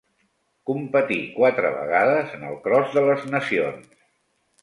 Competí quatre vegades en el Cros de les Nacions.